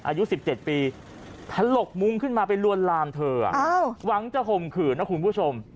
อายุ๑๗ปีถลกมุ้งขึ้นมาไปลวนลามเธอหวังจะข่มขืนนะคุณผู้ชม